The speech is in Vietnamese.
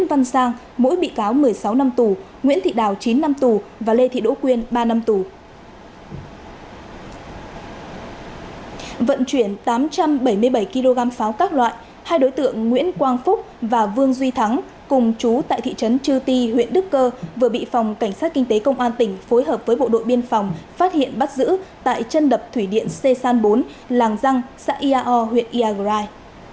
vận chuyển tám trăm bảy mươi bảy kg pháo các loại hai đối tượng nguyễn quang phúc và vương duy thắng cùng chú tại thị trấn chư ti huyện đức cơ vừa bị phòng cảnh sát kinh tế công an tỉnh phối hợp với bộ đội biên phòng phát hiện bắt giữ tại chân đập thủy điện c san bốn làng răng xã iao huyện iagrai